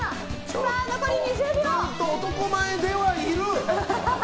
ずっと男前ではいる。